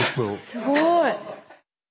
すごい。